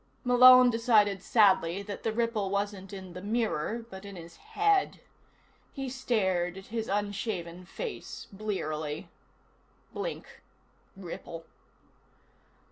Malone decided sadly that the ripple wasn't in the mirror, but in his head. He stared at his unshaven face blearily. Blink. Ripple.